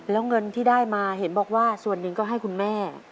แล้วเงินที่ได้มาเห็นบอกว่าส่วนหนึ่งก็ให้คุณแม่